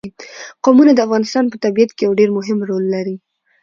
قومونه د افغانستان په طبیعت کې یو ډېر مهم رول لري.